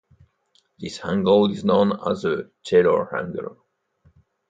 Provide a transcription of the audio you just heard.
This angle is known as the Taylor angle.